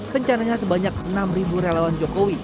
rencananya sebanyak enam relawan jokowi